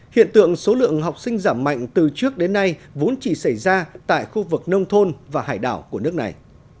hiện tượng số lượng học sinh giảm mạnh từ trước đến nay vốn chỉ xảy ra tại khu vực nông thôn và hải đảo của nước này